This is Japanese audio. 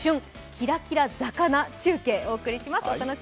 キラキラ魚中継をお送りします。